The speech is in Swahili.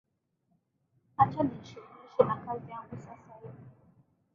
Acha nijishughulishe na kazi yangu sasa hivi.